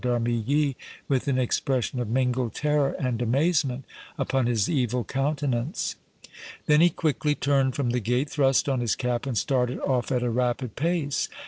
d' Armilly with an expression of mingled terror and amazement upon his evil countenance. Then he quickly turned from the gate, thrust on his cap and started off at a rapid pace.